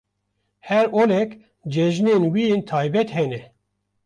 Her olek cejinên wê yên taybet hene.